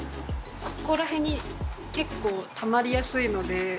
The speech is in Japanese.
ここら辺に結構たまりやすいので。